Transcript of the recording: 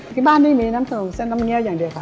ที่บ้านนี่มีน้ำขนมเส้นน้ำเงี่ยวอย่างเดียวครับ